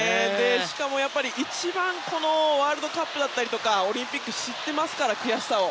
しかも一番ワールドカップだったりオリンピックで知っていますから悔しさを。